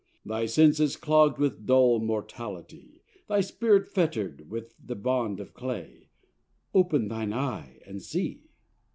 Thy sense is clogg'd with dull mortality, Thy spirit fetter'd with the bond of clay: Open thine eye and see.'